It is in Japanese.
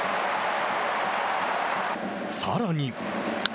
さらに。